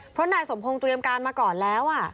เพราะนายสมพงศ์เตรียมการมาก่อนแล้ว